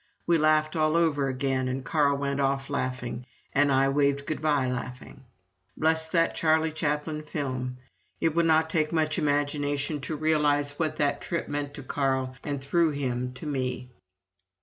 We laughed all over again, and Carl went off laughing, and I waved good bye laughing. Bless that Charlie Chaplin film! It would not take much imagination to realize what that trip meant to Carl and through him to me.